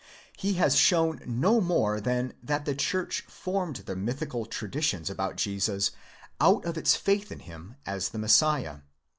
He has shown no more than 'that the church formed the mythical traditions about Jesus out of its faith in him as the Messiah.